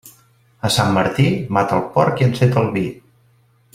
A Sant Martí, mata el porc i enceta el vi.